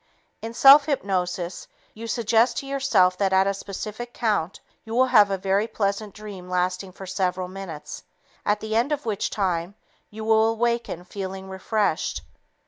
In self hypnosis, you suggest to yourself that at a specific count you will have a very pleasant dream lasting for several minutes, at the end of which time you will awaken feeling refreshed.